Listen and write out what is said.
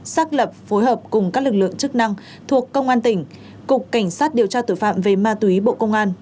xác lập phối hợp cùng các lực lượng chức năng thuộc công an tỉnh cục cảnh sát điều tra tội phạm về ma túy bộ công an